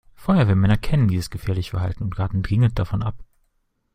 Feuerwehrmänner kennen dieses gefährliche Verhalten und raten dringend davon ab.